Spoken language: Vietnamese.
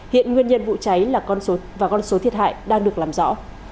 hiện nguyên nhân vụ cháy và con số thiệt hại đang được làm rõ